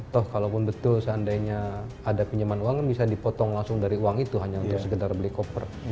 toh kalaupun betul seandainya ada pinjaman uang yang bisa dipotong langsung dari uang itu hanya untuk sekedar beli koper